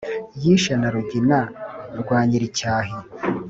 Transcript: Yishe na Rugina rwa nyir’icyahi.